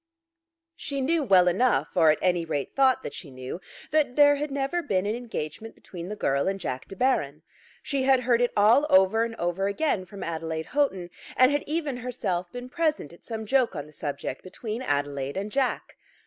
She knew well enough, or at any rate thought that she knew, that there had never been an engagement between the girl and Jack De Baron. She had heard it all over and over again from Adelaide Houghton, and had even herself been present at some joke on the subject between Adelaide and Jack.